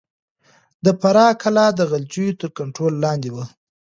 د فراه کلا د غلجيو تر کنټرول لاندې وه.